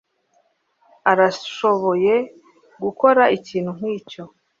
Arashoboye gukora ikintu nkicyo.